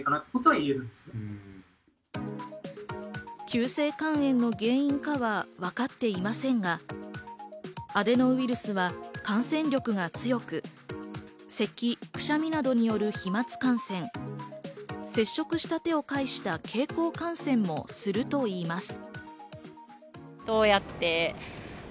急性肝炎の原因かは分かっていませんが、アデノウイルスは感染力が強く、咳・くしゃみなどによる飛沫感染、接触した手を介した経口感染もするといいます。